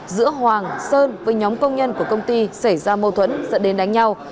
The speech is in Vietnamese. giữa hoàng sơn với nhóm công nhân của công ty xảy ra mâu thuẫn dẫn đến đánh nhau